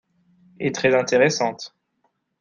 est très intéressante.